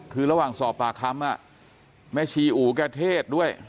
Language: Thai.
คือระหว่างสอบปากคำแม่ชีอู๋แกเทศด้วย